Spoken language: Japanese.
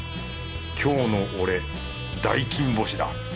今日の俺大金星だ。